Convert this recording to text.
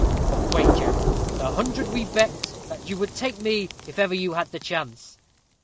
"What wager?" "The hundred we bet that you would take me if ever you had the chance."